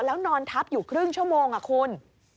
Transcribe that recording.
แล้วนอนทับอยู่ครึ่งชั่วโมงคุณ